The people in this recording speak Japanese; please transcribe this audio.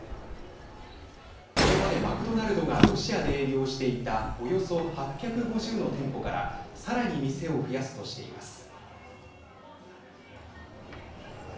これまでマクドナルドがロシアで営業していたおよそ８５０の店舗からさらに店を増やすとしています。